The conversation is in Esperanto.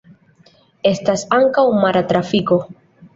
Estas ankaŭ mara trafiko.